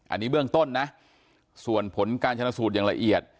อันนี้เบื้องต้นนะส่วนผลการชนะสูตรอย่างละเอียด